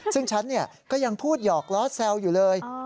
ซึ่งฉันก็ยังพูดหยอกล้อแซวอยู่เลย